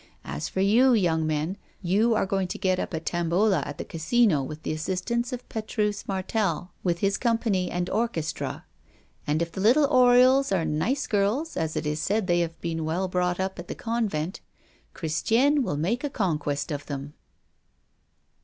As for you, young men, you are going to get up a tombola at the Casino with the assistance of Petrus Martel with his company and orchestra. And if the little Oriols are nice girls, as it is said they have been well brought up at the convent, Christiane will make a conquest of them."